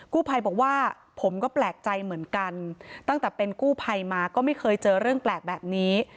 ภัยบอกว่าผมก็แปลกใจเหมือนกันตั้งแต่เป็นกู้ภัยมาก็ไม่เคยเจอเรื่องแปลกแบบนี้